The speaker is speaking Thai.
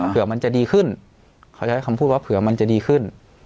เผื่อมันจะดีขึ้นเขาใช้คำพูดว่าเผื่อมันจะดีขึ้น